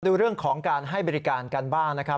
ดูเรื่องของการให้บริการกันบ้างนะครับ